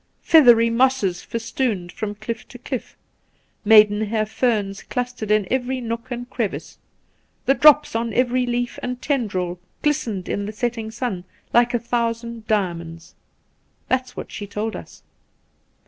Feathery mosses festooned from cliff to cliff; maidenhair ferns clustered in every nook and crevice ; the drops on every leaf and tendril glistened in the setting sun like a thousand diamonds. That's what she told us.